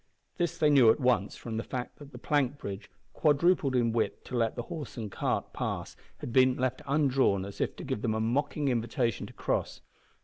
This they knew at once from the fact that the plank bridge, quadrupled in width to let the horse and cart pass, had been left undrawn as if to give them a mocking invitation to cross.